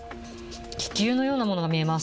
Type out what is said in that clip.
気球のようなものが見えます。